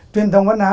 truyền thống văn hóa